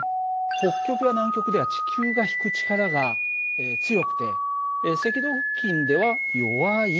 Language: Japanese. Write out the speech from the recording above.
北極や南極では地球が引く力が強くて赤道付近では弱いという事なんだよね。